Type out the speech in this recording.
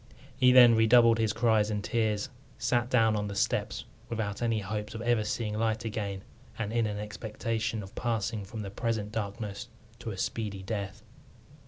He then redoubled his cries and tears, sat down on the steps without any hopes of ever seeing light again, and in an expectation of passing from the present darkness to a speedy death.